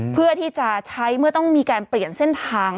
เพื่อที่จะใช้เมื่อต้องมีการเปลี่ยนเส้นทาง